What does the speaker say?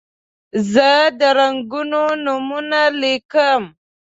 زه د رنګونو نومونه لیکم.